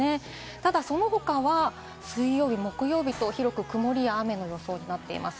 ただその他は水曜日、木曜日と広く、曇りや雨の予想となっています。